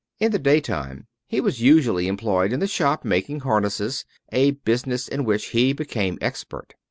In the daytime he was usually employed in the shop making harnesses, a business in which he became expert.